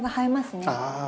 ああ